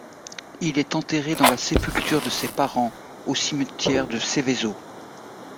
Il est enterré dans la sépulture de ses parents au cimetière de Seveso.